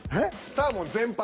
サーモン全般。